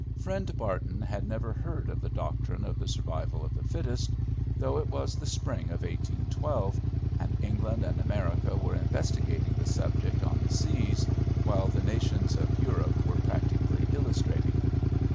Friend Barton had never heard of the doctrine of the survival of the fittest, though it was the spring of 1812, and England and America were investigating the subject on the seas, while the nations of Europe were practically illustrating it.